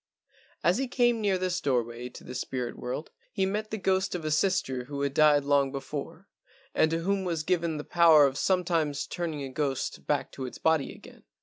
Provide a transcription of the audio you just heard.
As he came near this doorway to the spirit world he met the ghost of a sister who had died long before, and to whom was given the power of sometimes turning a ghost back to its body again.